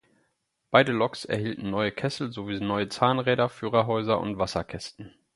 Beide Loks erhielten neue Kessel sowie neue Zahnräder, Führerhäuser und Wasserkästen.